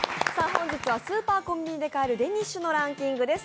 本日はスーパー、コンビニで買えるデニッシュのランキングです。